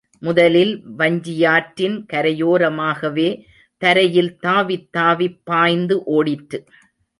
முதலில் வஞ்சியாற்றின் கரையோரமாகவே தரையில் தாவித்தாவிப் பாய்ந்து ஓடிற்று.